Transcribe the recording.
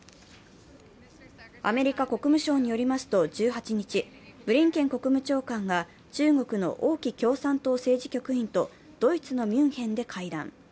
アメリカ国務省によりますと１８日、ブリンケン国務長官が中国の王毅共産党政治局員とドイツのミュンヘンで会談。